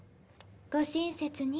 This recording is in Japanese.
ご親切に。